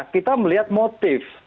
kita melihat motif